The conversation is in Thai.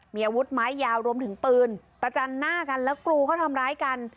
มีอาวุธไม้ยาวรวมถึงปืนประจันหน้ากันแล้วกรูเขาทำร้ายกัน